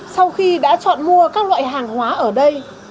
sau khi đã chọn mua các loại hàng hóa ở đây